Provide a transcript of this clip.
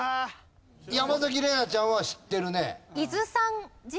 山崎怜奈ちゃんは知ってるね。